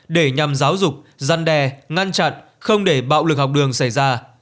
để nhằm giáo dục gian đe ngăn chặn không để bạo lực học đường xảy ra